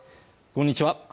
こんにちは